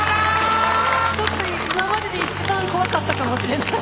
ちょっと今までで一番怖かったかもしれない。